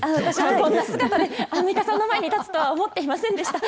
こんな姿でアンミカさんの前に立つと思っていませんでした。